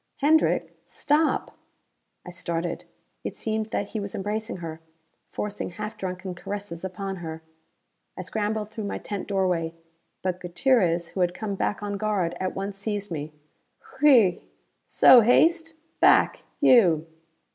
... Hendrick, stop!" I started. It seemed that he was embracing her; forcing half drunken caresses upon her. I scrambled through my tent doorway, but Gutierrez, who had come back on guard, at once seized me. "Hui so haste! Back, you."